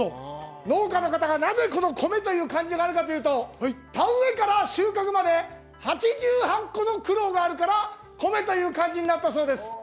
農家の方がなぜ米という漢字があるかというと田植えから収穫まで８８個の苦労があるから米という漢字になったそうです。